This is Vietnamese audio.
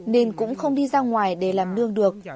nên cũng không đi ra ngoài để làm nương được